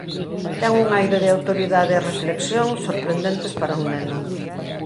Ten un aire de autoridade e reflexión sorprendentes para un neno».